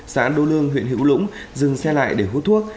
xã đô lương huyện hữu lũng dừng xe lại để hút thuốc